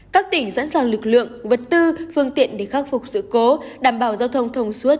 các tỉnh sẵn sàng lực lượng vật tư phương tiện để khắc phục sự cố đảm bảo giao thông thông suốt